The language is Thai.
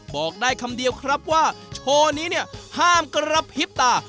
บอกได้คำเดียวครับว่าโชว์นี้เนี่ยห้ามกระพริบตา